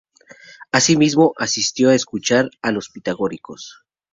Asimismo asistió a escuchar a los pitagóricos.